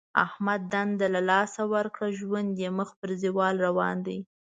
احمد دنده له لاسه ورکړه. ژوند یې مخ په زوال روان دی.